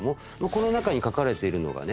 この中に書かれているのがね